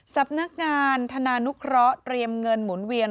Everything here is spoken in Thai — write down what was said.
สำนักงานธนานุเคราะห์เตรียมเงินหมุนเวียน